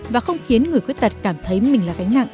và không khiến người khuyết tật cảm thấy mình là gánh nặng